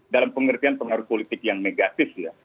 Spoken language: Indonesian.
dalam pengertian pengaruh politik yang negatif ya